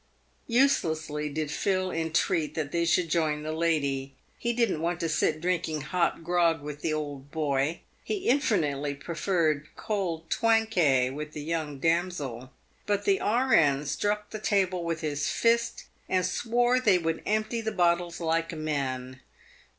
Uselessly did Phil entreat that they should join the lady. He didn't want to sit drinking hot grog with the old boy. He infinitely preferred cold Twankay, with the young damsel. But the R.N. struck the table with his fist, and swore they would empty the bottles like men.